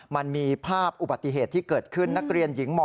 มันมีภาพอุบัติเหตุที่เกิดขึ้นนักเรียนหญิงม๔